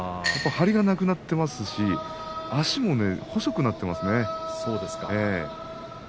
張りがなくなっていますし足も細くなっていますね。